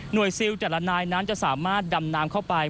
ซิลแต่ละนายนั้นจะสามารถดำน้ำเข้าไป